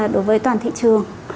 đối với toàn thị trường